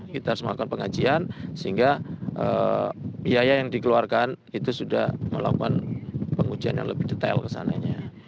kita harus melakukan pengajian sehingga biaya yang dikeluarkan itu sudah melakukan pengujian yang lebih detail kesananya